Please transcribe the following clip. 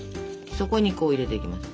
そこにこう入れていきます。